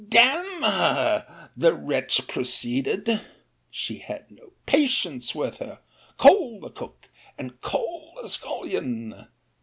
—D—n her, the wretch proceeded!—She had no patience with her! call the cook, and call the scullion!